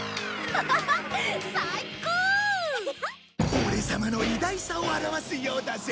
オレ様の偉大さを表すようだぜ。